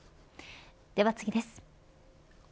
では次です。